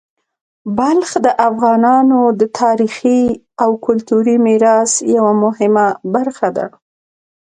بلخ د افغانانو د تاریخي او کلتوري میراث یوه مهمه برخه ده.